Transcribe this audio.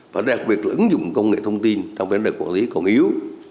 và đặc biệt lưỡng dụng công nghệ thông tin trong vấn đề quản lý còn yếu